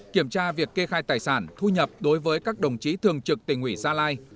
kiểm tra việc kê khai tài sản thu nhập đối với các đồng chí thường trực tỉnh ủy gia lai